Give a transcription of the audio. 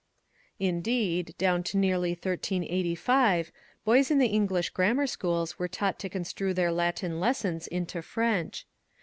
J Indeed down to nearly 1385, boys in the English grammar schools were taught to construe their Latin lessons into French.